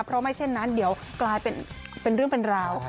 เพราะไม่เช่นนั้นเดี๋ยวกลายเป็นเรื่องเป็นราว